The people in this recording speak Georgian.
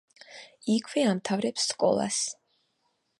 იქვე ამთავრებს სკოლას.